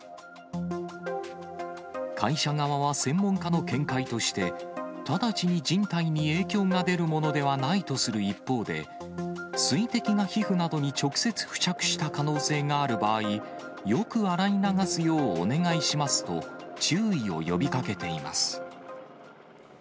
会社側は専門家の見解として、直ちに人体に影響が出るものではないとする一方で、水滴が皮膚などに直接付着した可能性がある場合、よく洗い流すようお願いしますと、注意を呼びかけています。